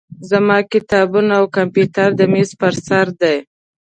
زما کتابونه او کمپیوټر د میز په سر دي.